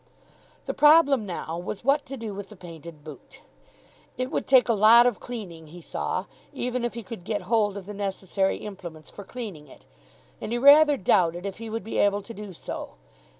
The problem now was what to do with the painted boot. It would take a lot of cleaning, he saw, even if he could get hold of the necessary implements for cleaning it. And he rather doubted if he would be able to do so.